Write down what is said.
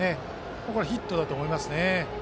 僕はこれはヒットだと思いますね。